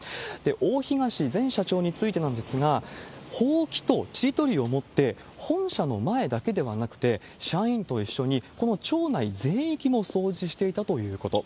大東前社長についてなんですが、ほうきとちりとりを持って、本社の前だけではなくて、社員と一緒にこの町内全域も掃除していたということ。